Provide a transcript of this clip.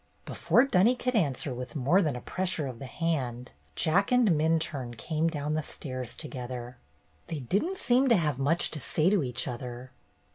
Before Dunny could answer with more than a pressure of the hand. Jack and Minturne came down the stairs together. They did n't seem to have much to say to each other.